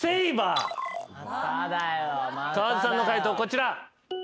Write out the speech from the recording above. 川津さんの解答こちら。